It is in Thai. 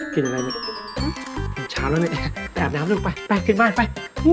กลิ่นอะไรมานี่ช้าแล้วนี่ไปอาบน้ำลูกไปไปนี่ไป